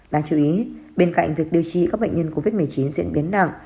đáng chú ý bên cạnh việc điều trị các bệnh nhân covid một mươi chín diễn biến nặng